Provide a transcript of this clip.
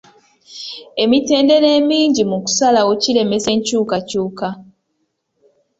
Emitendera emingi mu kusalawo kiremesa enkyukakyuka.